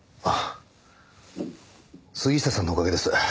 ああ杉下さんのおかげです。